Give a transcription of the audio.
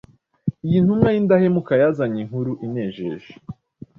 Iyi ntumwa y’indahemuka yazanye inkuru inejeje